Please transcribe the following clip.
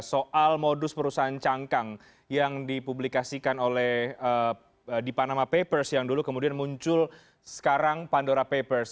soal modus perusahaan cangkang yang dipublikasikan oleh di panama papers yang dulu kemudian muncul sekarang pandora papers